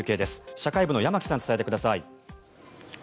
社会部の山木さん伝えてください。